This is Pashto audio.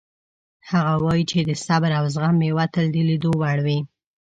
هغه وایي چې د صبر او زغم میوه تل د لیدو وړ وي